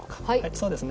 そうですね。